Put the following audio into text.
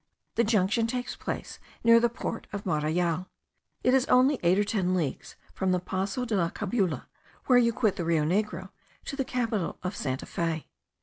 The junction takes place near the port of Marayal. It is only eight or ten leagues from the Passo de la Cabulla, where you quit the Rio Negro, to the capital of Santa Fe.